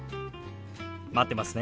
待ってますね。